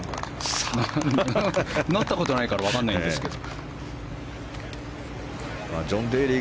なったことないから分からないですけど。